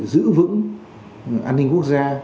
giữ vững an ninh quốc gia